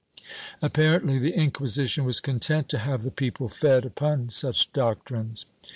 Apparently the Inquisition was content to have the people fed upon such doctrines.